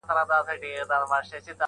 کله کله به یادیږي زما بوډۍ کیسې نیمګړي!!